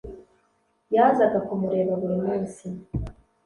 yazaga kumureba buri munsi